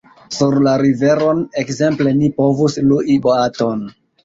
Sur la riveron, ekzemple, ni povus lui boaton.